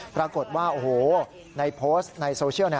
ปรากฏว่าโอ้โหในโพสต์ในโซเชียล